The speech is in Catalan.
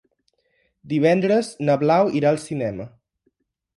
Divendres na Blau irà al cinema.